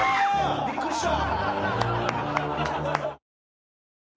びっくりした。